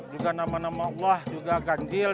juga nama nama allah juga ganjil